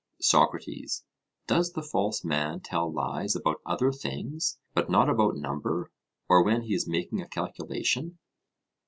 SOCRATES: Does the false man tell lies about other things, but not about number, or when he is making a calculation?